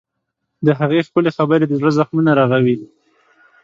د هغې ښکلي خبرې د زړه زخمونه رغوي.